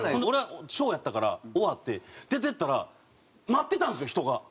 俺は小やったから終わって出てったら待ってたんですよ人が。